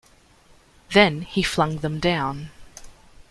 Then he flung them down.